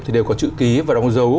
thì đều có chữ ký và đóng dấu